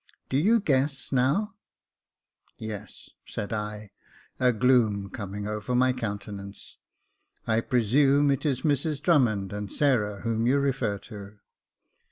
Do you guess now ?"" Yes," said I, a gloom coming over my countenance. " I presume it is Mrs Drummond and Sarah whom you refer to